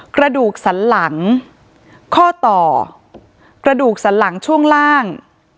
กระดูกสันหลังข้อต่อกระดูกสันหลังช่วงล่าง